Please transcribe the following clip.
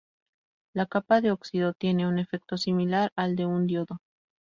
La capa de óxido tiene un efecto similar al de un diodo.